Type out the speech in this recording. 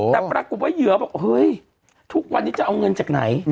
แต่ปรากฏว่าเหยื่อบอกเฮ้ยทุกวันนี้จะเอาเงินจากไหน